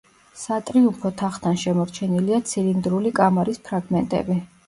სატრიუმფო თაღთან შემორჩენილია ცილინდრული კამარის ფრაგმენტები.